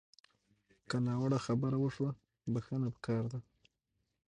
که ناوړه خبره وشوه، بښنه پکار ده